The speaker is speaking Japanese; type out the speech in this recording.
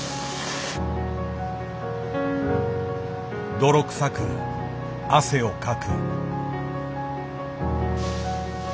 泥臭く汗をかく。